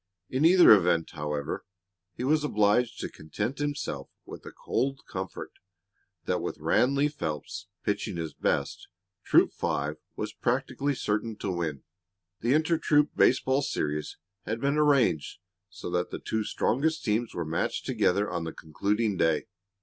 In either event, however, he was obliged to content himself with the cold comfort that with Ranleigh Phelps pitching his best Troop Five was practically certain to win. The inter troop baseball series had been arranged so that the two strongest teams were matched together on the concluding day.